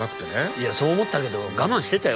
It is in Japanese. いやそう思ったけど我慢してたよ？